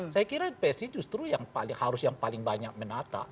saya kira psi justru yang harus yang paling banyak menata